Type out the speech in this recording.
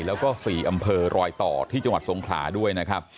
แล้วก็๔อำเภอรอยต่อที่จังหวัดสงขลาด้วยนะครับ